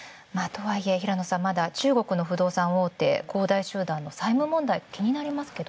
平野さんまだ中国の不動産大手、恒大集団の債務は気になりますけど